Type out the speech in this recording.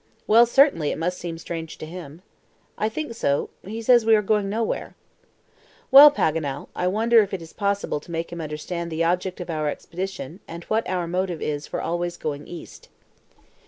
"Well, certainly, it must seem strange to him." "I think so. He says we are going nowhere." "Well, Paganel, I wonder if it is possible to make him understand the object of our expedition, and what our motive is for always going east."